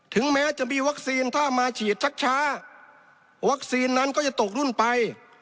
แม้จะมีวัคซีนถ้ามาฉีดชักช้าวัคซีนนั้นก็จะตกรุ่นไป